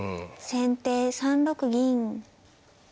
先手３六銀。